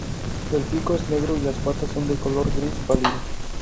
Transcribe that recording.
El pico es negro y las patas son de color gris pálido.